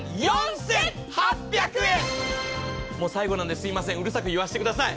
もう最後なんで、すみませんうるさく言わせてください。